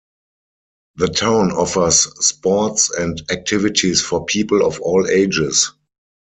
The town offers sports and activities for people of all ages.